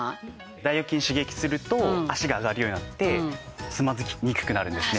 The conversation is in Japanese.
大腰筋を刺激すると脚が上がるようになってつまずきにくくなるんですね。